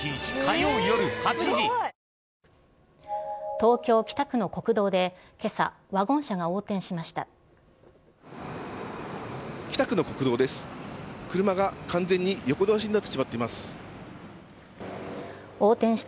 東京・北区の国道で、けさ、ワゴン車が横転しました。